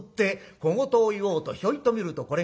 小言を言おうとひょいと見るとこれが私でしょ？